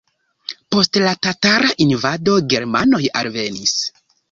Post la tatara invado germanoj alvenis.